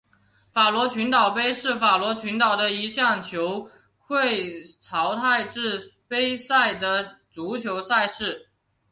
法罗群岛杯是法罗群岛的一项球会淘汰制杯赛的足球赛事。